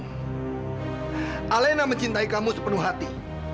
alena mencintai kamu sepenuh hati